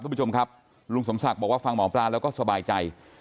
คุณผู้ชมครับลุงสมศักดิ์บอกว่าฟังหมอปลาแล้วก็สบายใจ